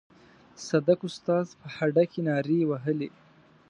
صدک استاد په هډه کې نارې وهلې.